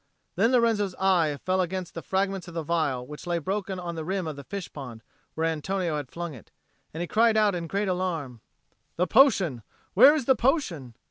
Then Lorenzo's eye fell on the fragments of the phial which lay broken on the rim of the fish pond where Antonio had flung it; and he cried out in great alarm, "The potion! Where is the potion?"